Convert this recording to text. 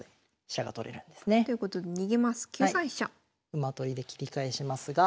馬取りで切り返しますが。